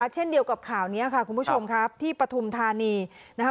เช่นเดียวกับข่าวนี้ค่ะคุณผู้ชมครับที่ปฐุมธานีนะคะ